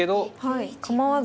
はい構わず。